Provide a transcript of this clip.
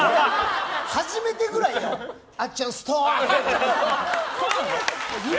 初めてぐらいよ。あっちゃんストップ。